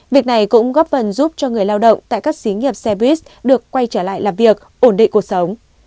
việc này cũng góp phần giúp cho người lao động tại các xí nghiệp xe buýt được quay trở lại làm việc ổn định cuộc sống